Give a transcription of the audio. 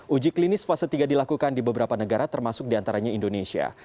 uji klinis fase tiga dilakukan di beberapa negara termasuk diantaranya indonesia